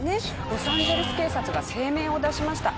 ロサンゼルス警察が声明を出しました。